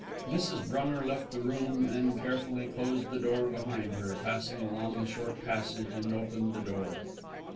Mrs. Brunger left the room and, carefully closing the door behind her, passed along the short passage and opened the door.